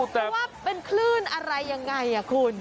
แต่ว่าเป็นคลื่นอะไรยังไงคุณ